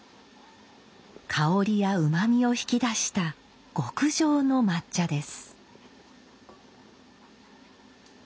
香りやうまみを引き出した極上の抹茶です。